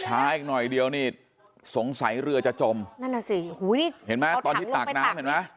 อีกหน่อยเดียวนี่สงสัยเรือจะจมนั่นน่ะสิหูนี่เห็นไหมตอนที่ตากน้ำเห็นไหม